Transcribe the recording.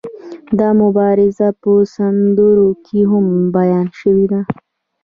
دا مبارزه په سندرو کې هم بیان شوې ده.